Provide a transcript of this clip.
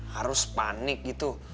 harus panik gitu